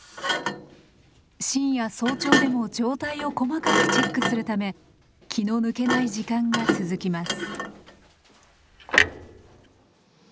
深夜早朝でも状態を細かくチェックするため気の抜けない時間が続きます。